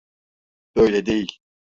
Böyle değil.